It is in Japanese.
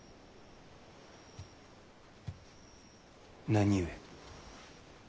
何故？